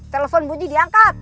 telepon bunyi diangkat